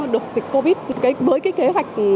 dịch covid với cái kế hoạch